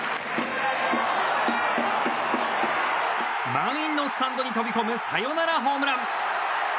満員のスタンドに飛び込むサヨナラホームラン！